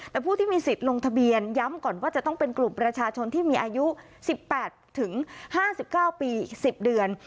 แต่ผู้ที่มีสิทธิ์ลงทะเบียนย้ำก่อนว่าจะต้องเป็นกลุ่มประชาชนที่มีอายุ๑๘๕๙ปีอีก๑๐เดือน